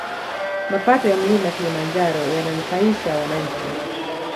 Mapato ya mlima kilimanjaro yananufaisha wananchi